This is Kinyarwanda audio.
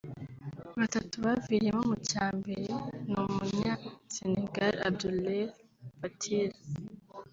batatu baviriyemo mu cya mbere ni Umunya-Senegal Abdoulaye Bathily